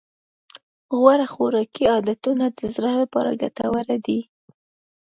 غوره خوراکي عادتونه د زړه لپاره ګټور دي.